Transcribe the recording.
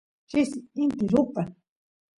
chisi inti rupan